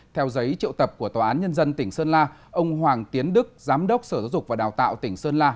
theo giấy triệu tập của tòa án nhân dân tỉnh sơn la ông hoàng tiến đức giám đốc sở giáo dục và đào tạo tỉnh sơn la